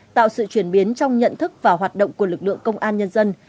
tạo sự chuyển biến trong nhận thức và hoạt động của lực lượng công an nhân dân